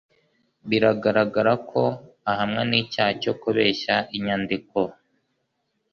Biragaragara ko ahamwa n'icyaha cyo kubeshya inyandiko.